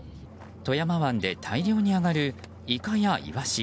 富山湾で大量に揚がるイカやイワシ。